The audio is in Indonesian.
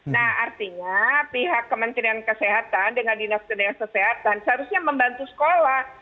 nah artinya pihak kementerian kesehatan dengan dinas kesehatan seharusnya membantu sekolah